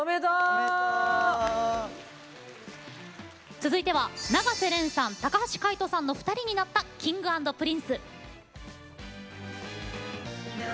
続いては、永瀬廉さん高橋海人さんの２人となったＫｉｎｇ＆Ｐｒｉｎｃｅ。